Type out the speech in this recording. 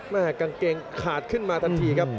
กางเกงขาดขึ้นมาทันทีครับ